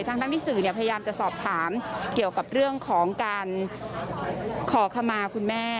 ทั้งที่สื่อพยายามจะสอบถามเกี่ยวกับเรื่องของการขอขมาคุณแม่